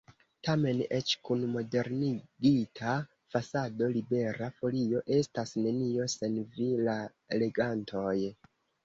Tamen, eĉ kun modernigita fasado, Libera Folio estas nenio sen vi, la legantoj.